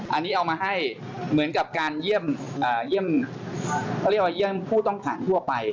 อันนี้เอามาให้เหมือนกับการเยี่ยมเขาเรียกว่าเยี่ยมผู้ต้องขังทั่วไป